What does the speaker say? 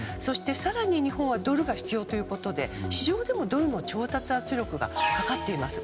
更に日本はドルが必要ということで市場でも圧力がかかっています。